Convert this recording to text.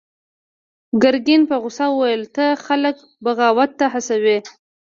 ګرګين په غوسه وويل: ته خلک بغاوت ته هڅوې!